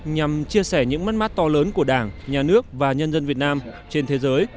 nhằm chia sẻ những mất mát to lớn của đảng nhà nước và nhân dân việt nam trên thế giới